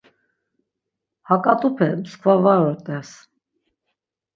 Ha ǩat̆upe mskva var ort̆es.